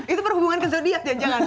itu perhubungan keselidiket ya jangan